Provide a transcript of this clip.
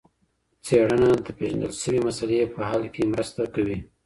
څېړنه د پېژندل سوي مسلې په حل کي مرسته کوي.